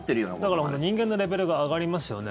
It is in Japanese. だから、人間のレベルが上がりますよね。